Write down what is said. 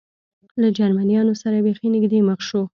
له جرمنیانو سره بېخي نږدې مخ شو.